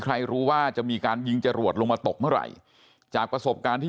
ไม่รู้ว่าจะมีการยิงจรวดลงมาตกเมื่อไหร่จากประสบการณ์ที่